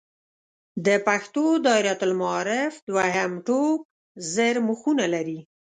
د پښتو دایرة المعارف دوهم ټوک زر مخونه لري.